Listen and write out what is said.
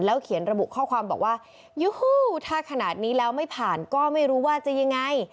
เขียนระบุข้อความบอกว่ายูฮูถ้าขนาดนี้แล้วไม่ผ่านก็ไม่รู้ว่าจะยังไง